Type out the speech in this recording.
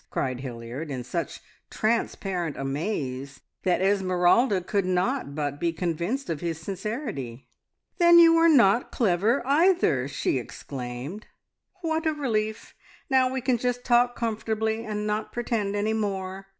cried Hilliard, in such transparent amaze that Esmeralda could not but be convinced of his sincerity. "Then you are not clever either!" she exclaimed. "What a relief! Now we can just talk comfortably, and not pretend any more.